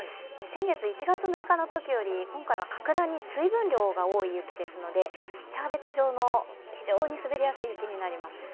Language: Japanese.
先月１月６日のときより今回は格段に水分量が多い雪ですのでシャーベット状の非常に滑りやすい雪になります。